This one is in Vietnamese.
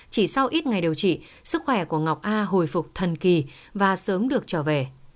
chỉ sau ít ngày điều trị sức khỏe của ngọc a hồi phục thần kỳ và sớm được trở về